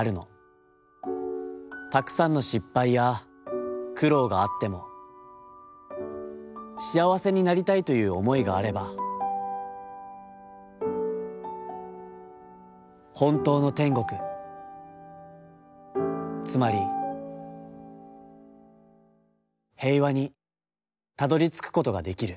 たくさんの失敗や苦労があっても、しあわせになりたいという思いがあれば、ほんとうの天国、つまり平和にたどり着くことができる』」。